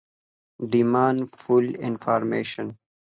Demand pull Inflation